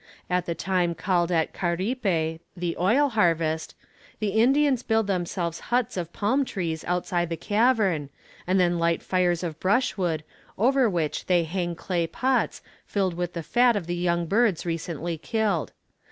At the time called at Caripe the oil harvest, the Indians build themselves huts of palm leaves outside the cavern, and then light fires of brushwood, over which they hang clay pots filled with the fat of the young birds recently killed.